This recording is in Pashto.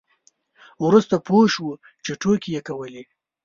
وروسته پوه شو چې ټوکې یې کولې.